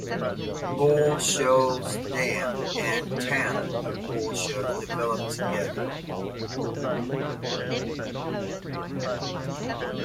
Bull Shoals Dam and the town of Bull Shoals developed together.